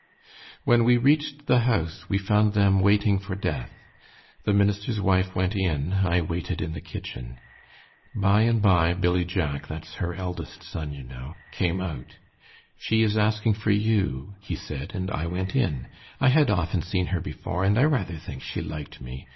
"When we reached the house we found them waiting for death. The minister's wife went in, I waited in the kitchen. By and by Billy Jack, that's her eldest son, you know, came out. 'She is asking for you,' he said, and I went in. I had often seen her before, and I rather think she liked me.